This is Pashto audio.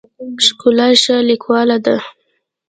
ښکلا ښه لیکواله ده.